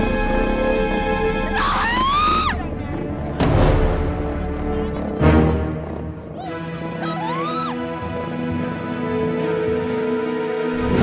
assalamualaikum warahmatullahi wabarakatuh